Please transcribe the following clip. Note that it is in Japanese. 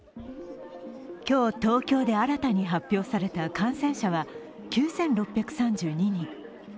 今日東京で新たに発表された感染者は９６３２人。